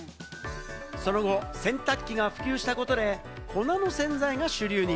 その後、洗濯機が普及したことで、粉の洗剤が主流に。